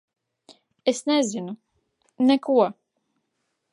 Es nezinu. Neko.